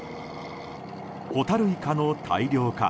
ホタルイカの大漁か？